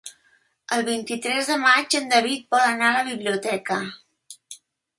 El vint-i-tres de maig en David vol anar a la biblioteca.